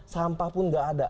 sampah pun tidak ada